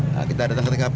nah kita datang ke tkp